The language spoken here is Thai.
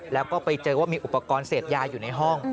แล้วก็ไปเจอว่ามีอุปกรณ์เสพยาอยู่ในห้อง